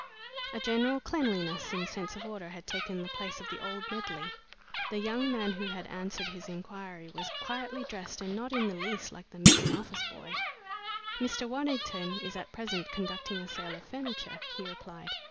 A general cleanliness and sense of order had taken the place of the old medley. The young man who had answered his inquiry was quietly dressed and not in the least like the missing office boy. "Mr. Waddington is at present conducting a sale of furniture," he replied.